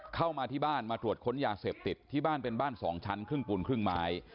เข้ามาที่บ้านมาตรวจค้นยาเสพติดที่บ้านเป็นบ้าน๒ชั้นครึ่งปูนครึ่งไม้